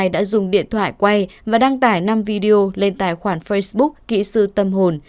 đã dùng điện thoại quay và đăng tải năm video lên tài khoản facebook kỹ sư tâm hồn